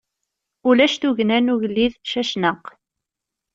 Ulac tugna n ugellid Cacnaq.